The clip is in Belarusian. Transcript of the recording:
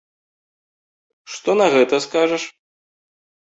Што на гэта скажаш?